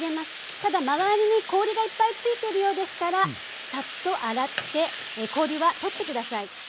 ただ周りに氷がいっぱい付いているようでしたらさっと洗って氷は取って下さい。